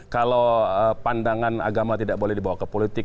kalau pandangan agama tidak boleh dibawa ke politik